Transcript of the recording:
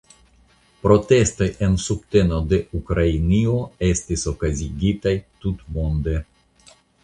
Protestoj en subteno de Ukrainio estis okazigitaj tutmonde.